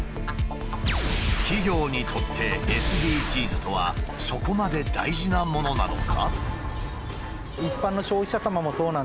企業にとってＳＤＧｓとはそこまで大事なものなのか？